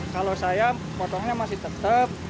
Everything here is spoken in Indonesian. kalau saya potongnya masih tetap